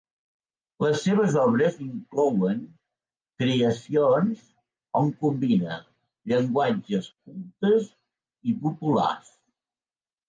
Les seves obres inclouen creacions on combina llenguatges cultes i populars.